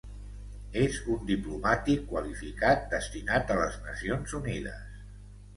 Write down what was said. És un diplomàtic qualificat destinat a les Nacions Unides.